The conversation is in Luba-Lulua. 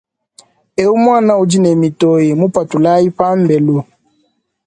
Ewu muana udi ne mitoyi mupatulayi pambelu.